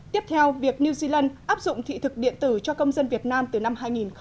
tiếp theo việc new zealand áp dụng thị thực điện tử cho công dân việt nam từ năm hai nghìn một mươi sáu